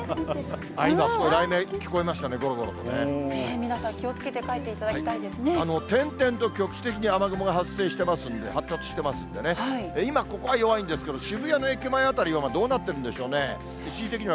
今、すごい雷鳴、聞こえまし皆さん、気をつけて帰ってい点々と局地的に雨雲が発生してますんで、発達してますんでね、今、ここは弱いんですけど、渋谷の駅前辺りはどうなってるんでしょうね。